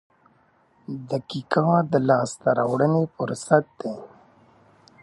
• دقیقه د لاسته راوړنې فرصت دی.